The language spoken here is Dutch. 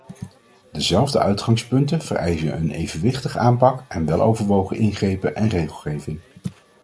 Dezelfde uitgangspunten vereisen een evenwichtige aanpak en weloverwogen ingrepen en regelgeving.